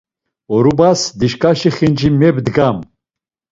Orubas dişǩaşi xinci mebdgam.